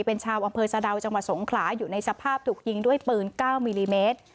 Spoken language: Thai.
เป็นชาวอำเภอสะดาวจังหวัดสงขลาอยู่ในสภาพถูกยิงด้วยปืน๙มิลลิเมตร